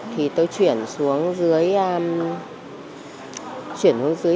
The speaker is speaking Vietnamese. thì tôi chuyển xuống dưới